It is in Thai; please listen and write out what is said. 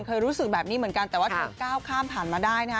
เคยรู้สึกแบบนี้เหมือนกันแต่ว่าเธอก้าวข้ามผ่านมาได้นะคะ